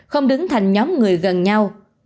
không đứng thành nhóm người gần nhau